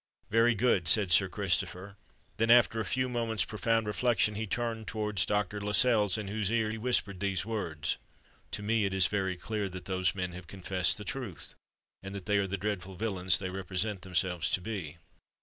"Very good," said Sir Christopher: then, after a few moments' profound reflection, he turned towards Dr. Lascelles, in whose ear he whispered these words, "To me it is very clear that those men have confessed the truth, and that they are the dreadful villains they represent themselves to be.